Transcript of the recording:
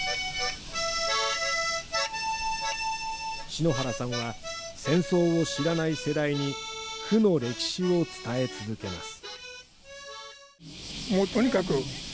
篠原さんは、戦争を知らない世代に負の歴史を伝え続けます。